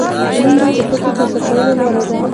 منډه د فکر تازه کولو لاره ده